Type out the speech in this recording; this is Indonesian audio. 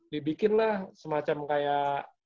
dibikin lah semacam kayak